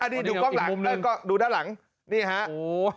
อันนี้ดูกล้องหลังดูด้านหลังนี่ฮะโอ้โห